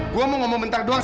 gue mau ngomong bentak doang